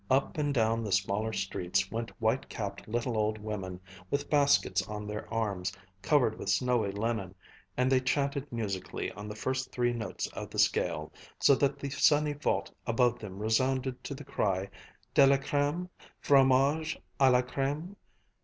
Up and down the smaller streets went white capped little old women, with baskets on their arms, covered with snowy linen, and they chanted musically on the first three notes of the scale, so that the sunny vault above them resounded to the cry, "De la crème, fromage à la crème!"